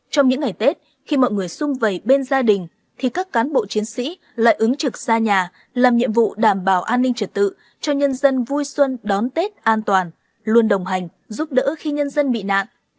trong những ngày tết khi mọi người xung vầy bên gia đình thì các cán bộ chiến sĩ lại ứng trực xa nhà làm nhiệm vụ đảm bảo an ninh trật tự cho nhân dân vui xuân đón tết an toàn luôn đồng hành giúp đỡ khi nhân dân bị nạn